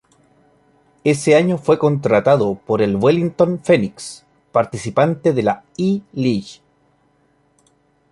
Ese año fue contratado por el Wellington Phoenix, participante de la A-League.